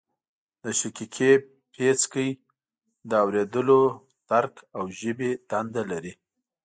د شقیقې پیڅکی د اوریدلو درک او ژبې دنده لري